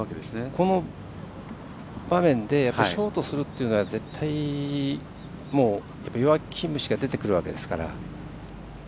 この場面でショートするというのは絶対、弱気虫が出てくるわけですから。